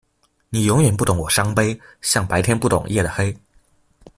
你永遠不懂我傷悲，像白天不懂夜的黑